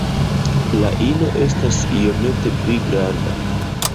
La ino estas iomete pli granda.